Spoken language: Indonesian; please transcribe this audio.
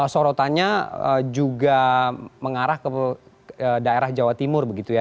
sorotannya juga mengarah ke daerah jawa timur begitu ya